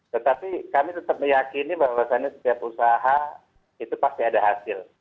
tetapi kami tetap meyakini bahwasannya setiap usaha itu pasti ada hasil